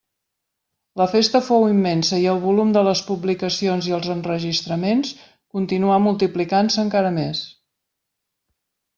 La festa fou immensa i el volum de les publicacions i els enregistraments continuà multiplicant-se encara més.